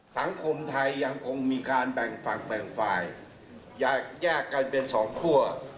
สังคมไทยยังคงมีการแบ่งฝั่งแบ่งฝ่ายแยกแยกกันเป็นสองคั่ว